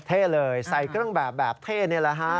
เท่เลยใส่เครื่องแบบแบบเท่นี่แหละฮะ